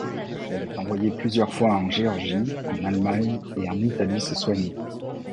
Elle est envoyée plusieurs fois en Géorgie, en Allemagne et en Italie se soigner.